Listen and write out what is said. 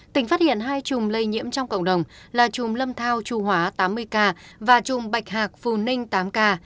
tỉnh phát hiện hai trùng lây nhiễm trong cộng đồng là trùng lâm thao chu hóa tám mươi ca và trùng bạch hạc phù ninh tám ca